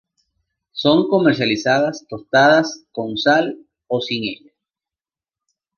Son comercializadas tostadas con sal o sin ella.